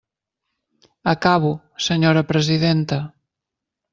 Acabo, senyora presidenta.